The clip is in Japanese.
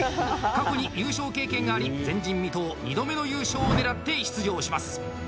過去に優勝経験があり、前人未到２度目の優勝を狙って出場します。